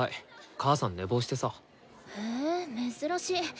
母さん寝坊してさ。へ珍しい。